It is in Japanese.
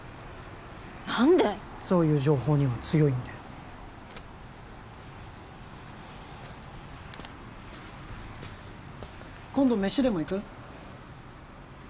何でそういう情報には強いんで今度メシでも行く？